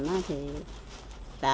nếu như lọ xáy đây